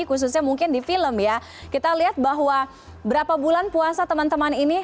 khususnya mungkin di film ya kita lihat bahwa berapa bulan puasa teman teman ini